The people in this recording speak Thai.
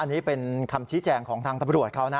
อันนี้เป็นคำชี้แจงของทางตำรวจเขานะ